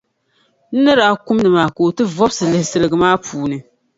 O ni daa kumdi maa ka o ti vɔbisi lihi siliga maa puuni.